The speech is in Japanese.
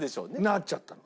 なっちゃったの。